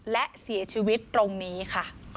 และเสียชีวิตตรงนี้ค่ะ